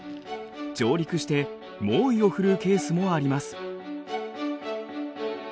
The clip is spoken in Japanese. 上陸して猛威を振るうケースもあります。